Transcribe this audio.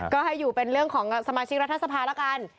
ก็ให้อยู่เป็นเรื่องของสมาชิกรัฐสภาแล้วกัน